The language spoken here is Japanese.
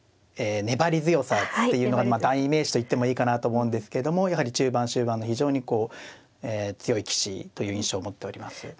粘り強さっていうのは代名詞と言ってもいいかなと思うんですけどもやはり中盤終盤の非常にこう強い棋士という印象を持っております。